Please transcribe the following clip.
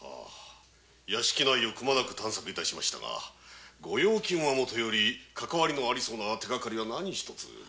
屋敷内を探索致しましたが御用金はもとよりかかわりのありそうな手がかりは何一つ。